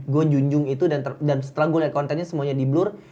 gue junjung itu dan setelah gue lihat kontennya semuanya di blur